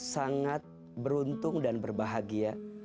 sangat beruntung dan berbahagia